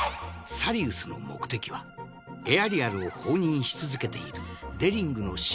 サリウスの目的はエアリアルを放任し続けているデリングの真意を探ることだったが